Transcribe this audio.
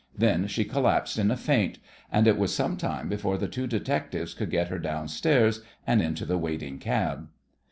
Then she collapsed in a faint, and it was some time before the two detectives could get her downstairs and into the waiting cab.